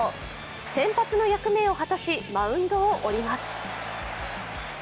先発の役目を果たし、マウンドを降ります。